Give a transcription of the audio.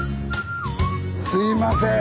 すいません。